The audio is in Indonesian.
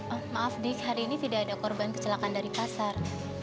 oh maaf dis hari ini tidak ada korban kecelakaan dari pasar